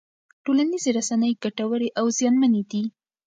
ټولنیزې رسنۍ ګټورې او زیانمنې دي.